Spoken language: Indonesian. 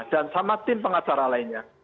dan sama tim pengacara lainnya